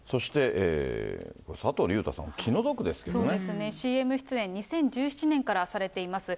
そしてこれ、佐藤隆太さん、ＣＭ出演、２０１７年からされています。